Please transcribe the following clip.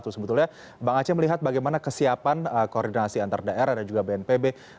sebetulnya bang aceh melihat bagaimana kesiapan koordinasi antar daerah dan juga bnpb